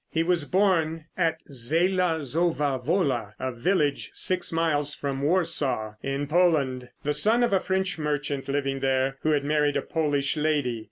He was born at Zela Zowa Wola, a village six miles from Warsaw, in Poland, the son of a French merchant living there, who had married a Polish lady.